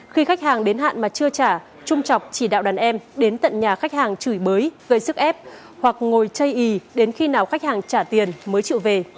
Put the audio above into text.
khi khách hàng đến hạn mà chưa trả trung chọc chỉ đạo đàn em đến tận nhà khách hàng chửi bới gây sức ép hoặc ngồi chay y đến khi nào khách hàng trả tiền mới chịu về